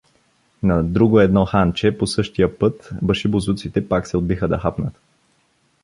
На друго едно ханче по същия път башибозуците пак се отбиха да хапнат.